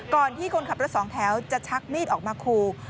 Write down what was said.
ก่อนที่คนขับรถสองแถวจะชักมีดออกมาคู